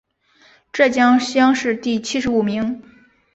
浙江乡试第七十五名。